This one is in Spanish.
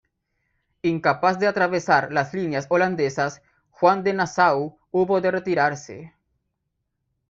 Incapaz de atravesar las líneas holandesas, Juan de Nassau hubo de retirarse.